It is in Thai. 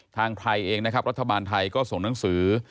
ทางไทยเองนะครับรัฐบาลไทยก็ส่งหนังสือ